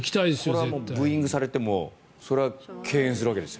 これはもうブーイングされてもそれは敬遠するわけですよ。